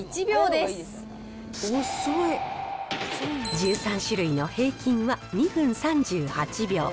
１３種類の平均は、２分３８秒。